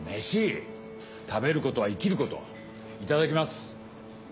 食べることは生きることいただきます。